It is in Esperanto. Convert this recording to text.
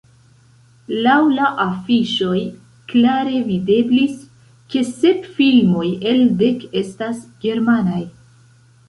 Laŭ la afiŝoj klare videblis, ke sep filmoj el dek estas germanaj.